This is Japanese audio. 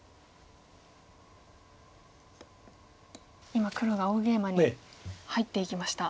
今黒が大ゲイマに入っていきました。